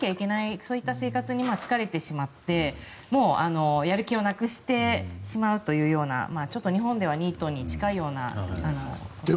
そういった生活に疲れてしまって、もうやる気をなくしてしまうというようなちょっと日本ではニートに近いような感じです。